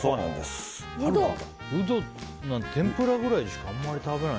ウドなんて、天ぷらぐらいしかあんまり食べない。